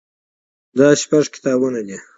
دا شپږ کتابونه دي.